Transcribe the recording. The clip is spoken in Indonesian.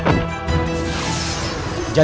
saya harus paksainya